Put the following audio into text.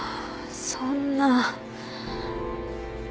そんな。